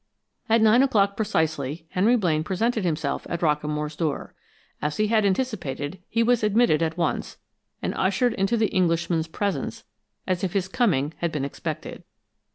At nine o'clock precisely, Henry Blaine presented himself at Rockamore's door. As he had anticipated he was admitted at once and ushered into the Englishman's presence as if his coming had been expected.